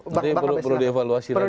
nanti perlu dievaluasi lagi